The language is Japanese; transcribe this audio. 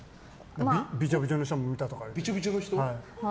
びちょびちょの人も見たとか。